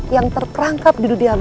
yang terperangkap di dunia